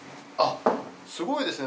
すごいですね。